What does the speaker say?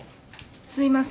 すいません。